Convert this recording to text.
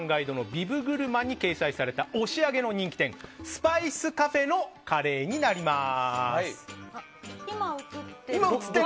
ビブグルマンに押上の人気店、スパイスカフェのカレーになります。